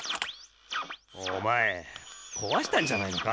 おまえこわしたんじゃないのか？